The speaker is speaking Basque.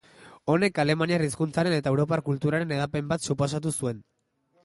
Honek alemaniar hizkuntzaren eta europar kulturaren hedapen bat suposatu zuen.